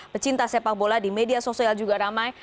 pecinta sepak bola di media sosial juga ramai